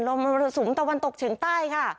มรสุมตะวันตกเฉียงใต้ค่ะ